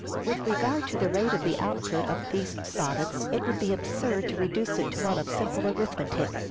With regard to the rate of the output of these Proposal sonnets, it would be absurd to reduce it to one of simple arithmetic.